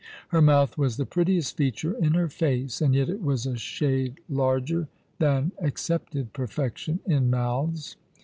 Her month was the prettiest feature in her face, and yet it was a shade larger than accepted perfection in mouths.